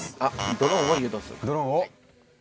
「ドローンを」。